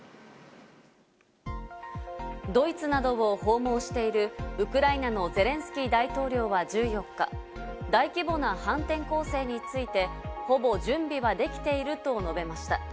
ドイツなどを訪問しているウクライナのゼレンスキー大統領は１４日、大規模な反転攻勢について、ほぼ準備はできていると述べました。